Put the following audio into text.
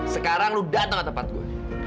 sekarang lu dateng ke tempat gua